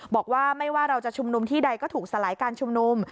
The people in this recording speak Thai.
บอกว่าไม่ว่าเราจะชุมนุมที่ใดก็ถูกสลายการชุมนุม